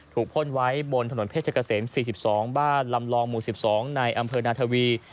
พ่นไว้บนถนนเพชรเกษม๔๒บ้านลำลองหมู่๑๒ในอำเภอนาธวี